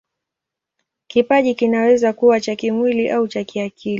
Kipaji kinaweza kuwa cha kimwili au cha kiakili.